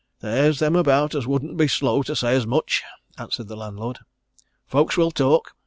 "There is them about as wouldn't be slow to say as much," answered the landlord. "Folks will talk!